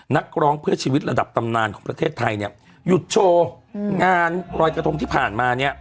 นักร้องเพื่อชีวิตระดับตำนานของประเทศไทยเนี่ยหยุดโชว์งานรอยกระทงที่ผ่านมาเนี่ย